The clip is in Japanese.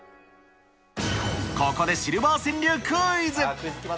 ここでシルバー川柳クイズ。